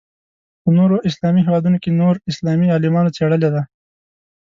په نورو اسلامي هېوادونو کې نور اسلامي عالمانو څېړلې ده.